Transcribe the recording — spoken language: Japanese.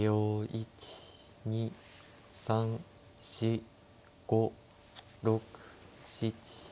１２３４５６７。